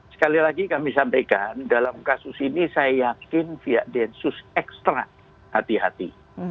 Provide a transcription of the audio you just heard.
sekali lagi kami sampaikan dalam kasus ini saya yakin via densus ekstra hati hati